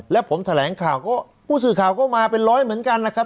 แล้วผมแถลงข่าวก็ผู้สื่อข่าวก็มาเป็นร้อยเหมือนกันนะครับ